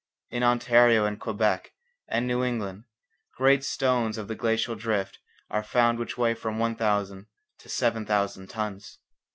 In Ontario and Quebec and New England great stones of the glacial drift are found which weigh from one thousand to seven thousand tons.